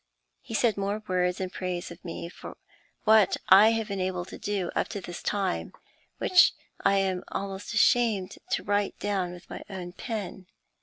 He said more words in praise of me for what I have been able to do up to this time, which I am almost ashamed to write down with my own pen.